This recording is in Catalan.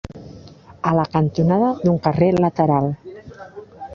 A la cantonada d'un carrer lateral